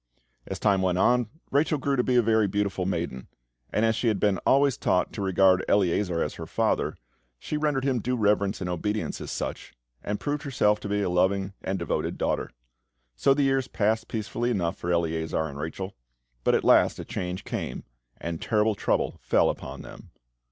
As time went on, Rachel grew up to be a very beautiful maiden; and as she had been always taught to regard Eleazar as her father, she rendered him due reverence and obedience as such, and proved herself to be a loving and devoted daughter. So the years passed peacefully enough for Eleazar and Rachel; but at last a change came, and terrible trouble fell upon them.